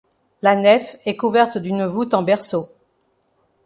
La nef est couverte d'une voûte en berceau.